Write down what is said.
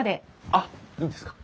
あっいいんですか？